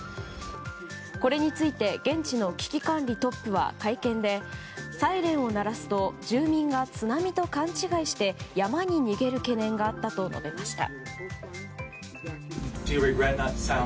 これについて現地の危機管理トップは会見でサイレンを鳴らすと住民が津波と勘違いして山に逃げる懸念があったと述べました。